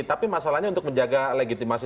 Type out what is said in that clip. tapi masalahnya untuk menjaga legitimasi